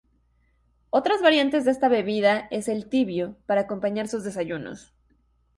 Otras variantes de esta bebida es el "tibio", para acompañar sus desayunos.